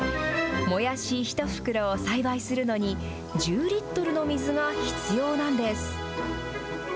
もやし１袋を栽培するのに、１０リットルの水が必要なんです。